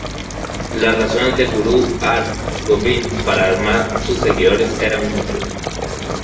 Las razones de Gurú Har Gobind para armar sus seguidores eran muchos.